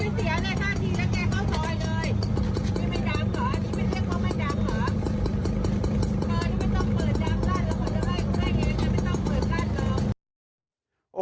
ไม่ต้องเปิดกั้นแล้ว